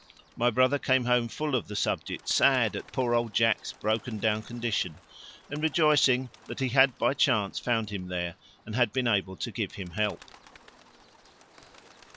My brother came home full of the subject, sad at poor old Jack's broken down condition and rejoicing that he had by chance found him there and had been able to give him help.